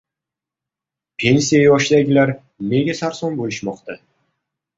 Pensiya yoshidagilar nega sarson bo‘lishmoqda?